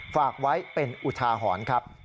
ฝากไว้เป็นอุทาหรณ์ครับ